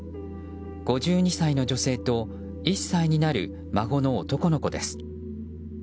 ５２歳の女性と１歳になる孫の男の子です。